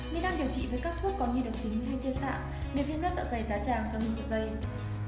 nên đang điều trị với các thuốc có nhiên độc tính hay tiên sạng niềm viêm đất dạ dày tá tràng cho mình dạ dày